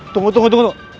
tunggu tunggu tunggu